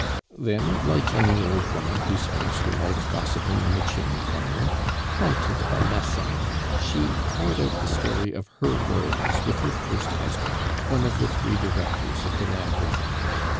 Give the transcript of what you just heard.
Then, like any old woman who spends her life gossiping in the chimney corner, prompted by Massol, she poured out the story of her woes with her first husband, one of the three Directors of the land revenue.